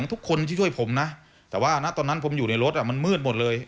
ขอขอบคุณทีมงานพี่บิล